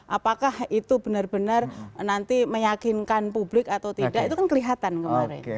apakah itu benar benar nanti meyakinkan publik atau tidak itu kan kelihatan kemarin